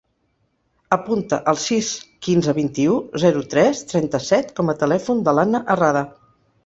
Apunta el sis, quinze, vint-i-u, zero, tres, trenta-set com a telèfon de l'Anna Herrada.